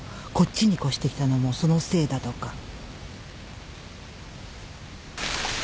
こっちに越してきたのもそのせいだとか。